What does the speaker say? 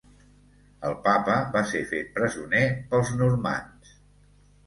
El Papa va ser fet presoner pels normands.